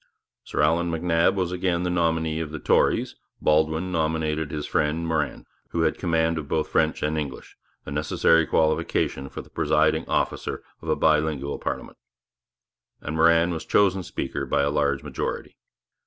Sir Allan MacNab was again the nominee of the Tories; Baldwin nominated his friend, Morin, who had command of both French and English, a necessary qualification for the presiding officer of a bilingual parliament. And Morin was chosen Speaker by a large majority.